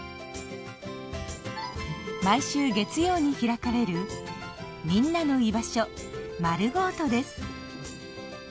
毎週月曜に開かれる「みんなの居場所まるごーと」です。